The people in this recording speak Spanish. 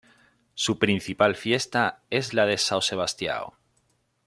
Su principal fiesta es la de São Sebastião.